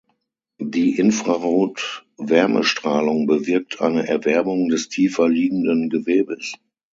Die Infrarot-Wärmestrahlung bewirkt eine Erwärmung des tiefer liegenden Gewebes.